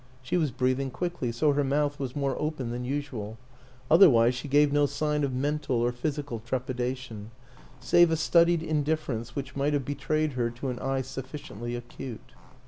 She was breathing quickly, so her mouth was more open than usual; otherwise she gave no sign of mental or physical trepidation save a studied indifference which might have be trayed her to an eye sufficiently acute.